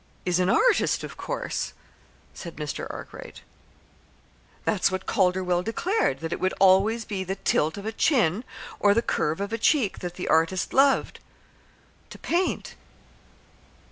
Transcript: "Is an artist, of course," said Arkwright. "That's what Calderwell declared that it would always be the tilt of a chin or the curve of a cheek that the artist loved to paint."